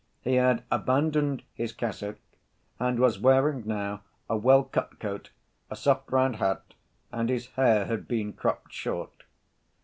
He had abandoned his cassock and was wearing now a well‐cut coat, a soft, round hat, and his hair had been cropped short.